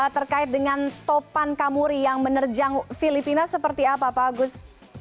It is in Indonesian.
terkait dengan topan kamuri yang menerjang filipina seperti apa pak agus